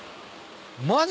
マジ？